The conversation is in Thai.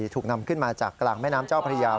ถูกนำขึ้นมาจากกลางแม่น้ำเจ้าพระยา